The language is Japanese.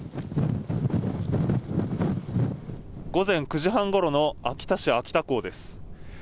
午前９時半ごろの、秋田市秋田港です。